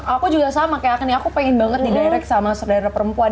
aku juga sama kayaknya aku pengen banget di direct sama sutradara perempuan